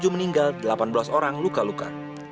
dua puluh tujuh meninggal delapan belas orang luka luka